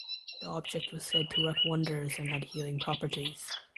The object was said to work wonders and had healing properties.